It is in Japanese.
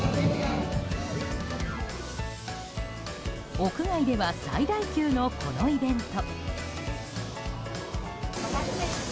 屋外では最大級のこのイベント。